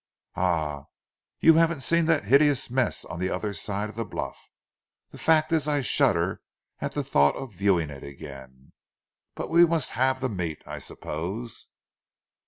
"Ah! you haven't seen that hideous mess on the other side of the bluff. The fact is I shudder at the thought of viewing it again. But we must have the meat, I suppose."